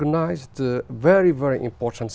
một sự phát triển đặc biệt